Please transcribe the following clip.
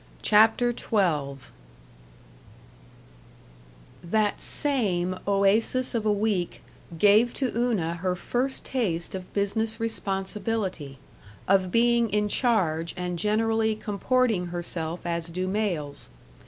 CHAPTER XII That same oasis of a week gave to Una her first taste of business responsibility, of being in charge and generally comporting herself as do males.